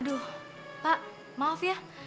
aduh pak maaf ya